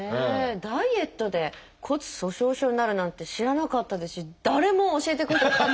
ダイエットで骨粗しょう症になるなんて知らなかったですし誰も教えてくれなかった。